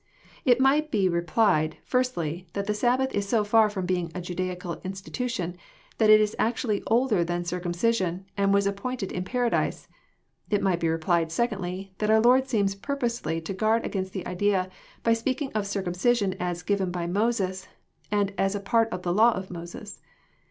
— It might be replied, firstly, that the Sabbath is so far from being a Judaical institution, that it is actually older than circumcision, and was appointed in Paradise. — It might be replied, secondly, that our Lord seems purposely to guard against the idea by speaking of circnmcision as " given by Moses," and as a part of *' the law of Moses."